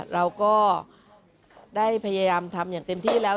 เราก็ได้พยายามทำอย่างเต็มที่แล้ว